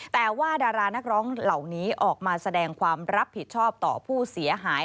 แต่ว่าดารานักร้องเหล่านี้ออกมาแสดงความรับผิดชอบต่อผู้เสียหาย